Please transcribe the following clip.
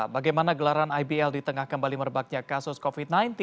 bagaimana gelaran ibl di tengah kembali merebaknya kasus covid sembilan belas